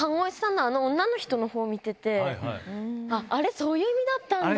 そういう意味だったんだ。